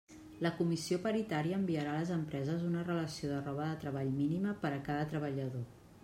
La Comissió paritària enviarà a les empreses una relació de roba de treball mínima per a cada treballador.